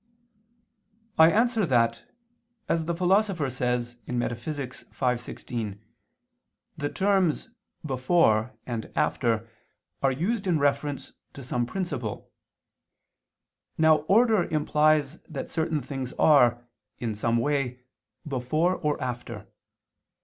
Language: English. I answer that, As the Philosopher says (Metaph. v, text. 16), the terms "before" and "after" are used in reference to some principle. Now order implies that certain things are, in some way, before or after.